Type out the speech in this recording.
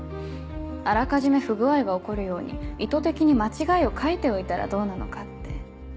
あらかじめ不具合が起こるように意図的に間違いを書いておいたらどうなのかって。